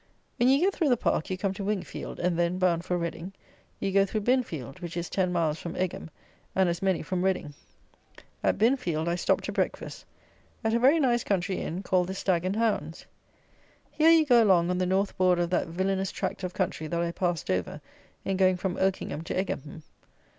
When you get through the Park you come to Winkfield, and then (bound for Reading) you go through Binfield, which is ten miles from Egham and as many from Reading. At Binfield I stopped to breakfast, at a very nice country inn called the Stag and Hounds. Here you go along on the North border of that villanous tract of country that I passed over in going from Oakingham to Egham.